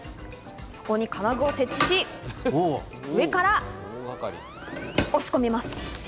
そこに金具を設置し、上から押し込みます。